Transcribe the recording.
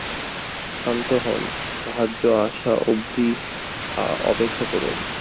শান্ত হন, সাহায্য আসা অব্ধি অপেক্ষা করুন।